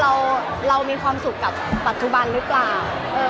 มันเป็นเรื่องน่ารักที่เวลาเจอกันเราต้องแซวอะไรอย่างเงี้ย